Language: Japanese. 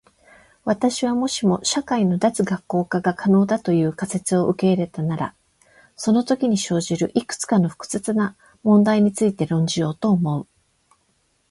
私は、もしも社会の脱学校化が可能だという仮説を受け入れたならそのときに生じるいくつかの複雑な問題について論じようと思う。